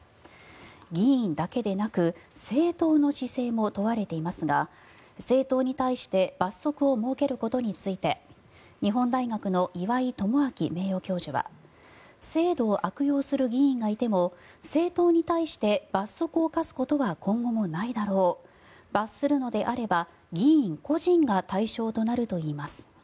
議員だけでなく政党の姿勢も問われていますが政党に対して罰則を設けることについて日本大学の岩井奉信名誉教授は制度を悪用する議員がいても政党に対して罰則を科すことは今後もないだろう罰するのであれば議員個人が対象となるといいます。